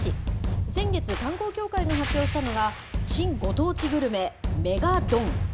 先月、観光協会が発表したのが、新ご当地グルメ、メガドン。